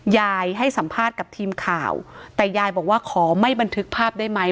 ให้สัมภาษณ์กับทีมข่าวแต่ยายบอกว่าขอไม่บันทึกภาพได้ไหม